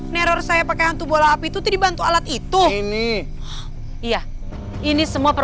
neror saya pake hantu bola api tuh dream doublefix didatengkan